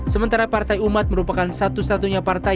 sementara partai umat merupakan satu satunya partai